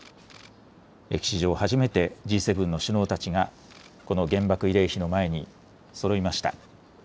歴史上初めてＧ７の首脳たちがこの原爆慰霊碑の前にそろいました。